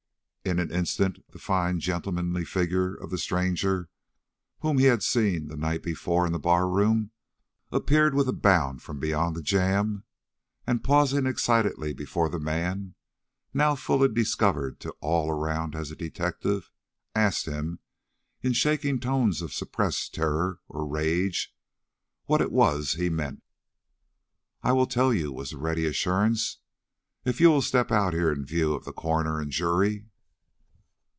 In an instant the fine, gentlemanly figure of the stranger, whom he had seen the night before in the bar room, appeared with a bound from beyond the jamb, and pausing excitedly before the man, now fully discovered to all around as a detective, asked him, in shaking tones of suppressed terror or rage, what it was he meant. "I will tell you," was the ready assurance, "if you will step out here in view of the coroner and jury."